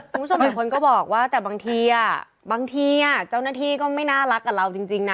คุณผู้ชมหลายคนก็บอกว่าแต่บางทีบางทีเจ้าหน้าที่ก็ไม่น่ารักกับเราจริงนะ